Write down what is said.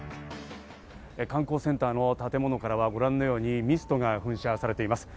観光センターの建物からはご覧のようにミストが噴射されています。